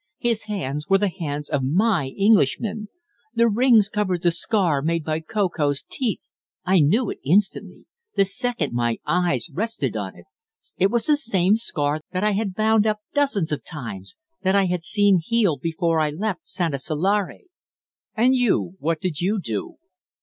His hands were the hands of my Englishman! The rings covered the scar made by Ko Ko's teeth. I knew it instantly the second my eyes rested on it. It was the same scar that I had bound up dozens of times that I had seen healed before I left Santasalare." "And you? What did you do?"